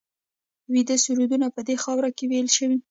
ویدي سرودونه په دې خاوره کې ویل شوي